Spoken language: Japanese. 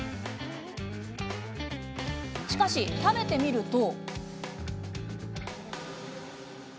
しかし、食べてみると。